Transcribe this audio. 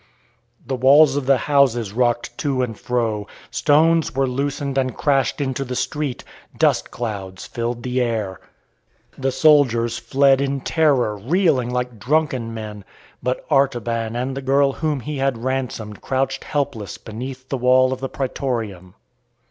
The walls of the houses rocked to and fro. Stones were loosened and crashed into the street. Dust clouds filled the air. The soldiers fled in terror, reeling like drunken men. But Artaban and the girl whom he had ransomed crouched helpless beneath the wall of the Praetorium.